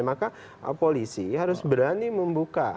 maka polisi harus berani membuka